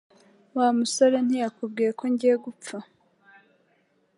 Wa musore ntiyakubwiye ko ngiye gupfa